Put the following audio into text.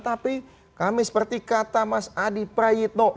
tapi kami seperti kata mas adi prayitno